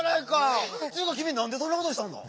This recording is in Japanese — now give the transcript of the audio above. っていうかきみなんでそんなことをしたんだ？